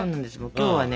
今日はね